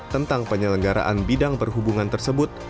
tentang penyelenggaraan bidang perhubungan tersebut